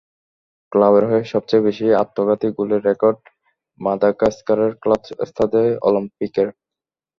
ক্লাবের হয়ে সবচেয়ে বেশি আত্মঘাতী গোলের রেকর্ড মাদাগাস্কারের ক্লাব স্তাদে অলিম্পিকের।